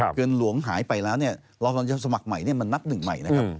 เงินหลวงหายไปแล้วเนี่ยเราจะสมัครใหม่มันนับหนึ่งใหม่นะครับ